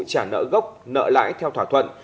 trả nợ gốc nợ lãi theo thỏa thuận